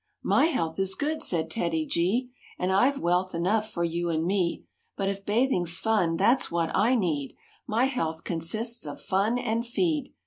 "My health is good," said TEDDY G; " And I've wealth enough for you and me But if bathing's fun, that's what I need; My health consists of fun and feed."